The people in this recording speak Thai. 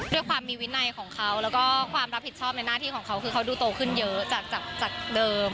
ด้วยความมีวินัยของเขาแล้วก็ความรับผิดชอบในหน้าที่ของเขาคือเขาดูโตขึ้นเยอะจากเดิม